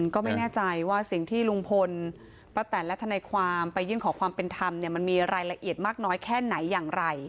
ก็ไม่แน่ใจว่าสิ่งที่ลุงพลป้าแตนและทนายความไปยื่นขอความเป็นธรรมเนี่ยมันมีรายละเอียดมากน้อยแค่ไหนอย่างไร